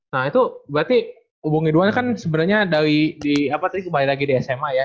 nah itu berarti bu nidwan kan sebenarnya dari tadi kembali lagi di sma ya